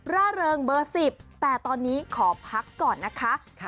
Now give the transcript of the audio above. ร่าเริงเบอร์๑๐แต่ตอนนี้ขอพักก่อนนะคะ